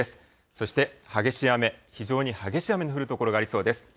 そして激しい雨、非常に激しい雨の降る所がありそうです。